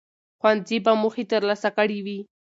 ښوونځي به موخې ترلاسه کړي وي.